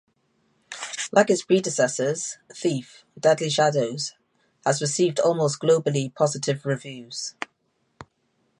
Like its predecessors, "Thief: Deadly Shadows" has received almost globally positive reviews.